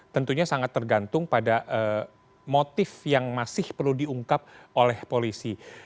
tentunya sangat tergantung pada motif yang masih perlu diungkap oleh polisi